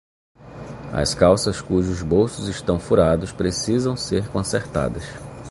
As calças cujos bolsos estão furados precisam ser consertadas.